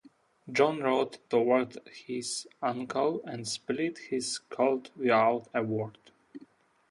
John rode toward his uncle and split his skull without a word.